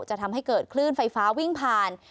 จะทำให้เกิดคลื่นไฟฟ้าวิ่งผ่าน